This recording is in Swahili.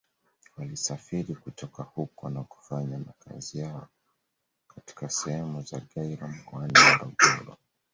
Walisafiri kutoka huko na kufanya makazi yao katika sehemu za Gairo mkoani Morogoro